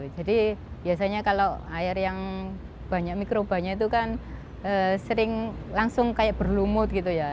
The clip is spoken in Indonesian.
jadi biasanya kalau air yang banyak mikro banyak itu kan sering langsung kayak berlumut gitu ya